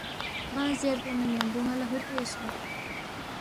بانگ زیربو نہ یمبو نالا ہوتے سونگ۔